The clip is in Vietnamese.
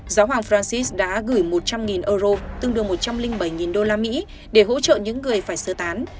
giáo hoàng francis đã gửi một trăm linh euro tương đương một trăm linh bảy đô la mỹ để hỗ trợ những người phải sơ tán